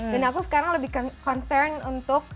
dan aku sekarang lebih concern untuk